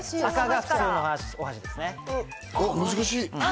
赤が普通のお箸です。